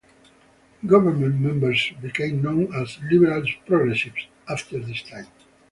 Government members became known as "Liberal-Progressives" after this time.